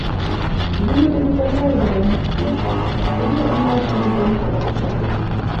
— Юмо дене пырля, ӱдырем! — уло ӱнаржым поген, каласыш Акош.